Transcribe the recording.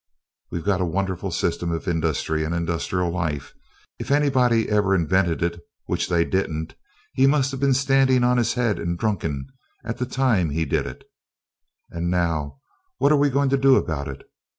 We have got a wonderful system of industry, and industrial life. If anybody ever invented it, which they didn't, he must have been standing on his head and drunken at the time he did it. (Laughter and applause). And now what are we going to do about it?